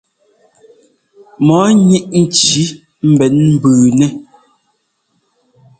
Mɔɔ ŋíʼ nci mbɛ̌n mbʉʉnɛ́.